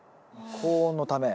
高温のため。